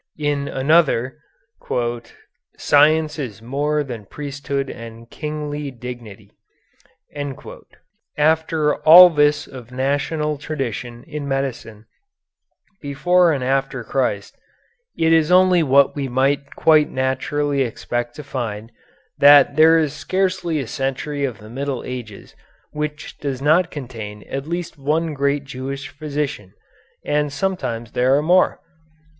In another 'science is more than priesthood and kingly dignity.'" After all this of national tradition in medicine before and after Christ, it is only what we might quite naturally expect to find, that there is scarcely a century of the Middle Ages which does not contain at least one great Jewish physician and sometimes there are more.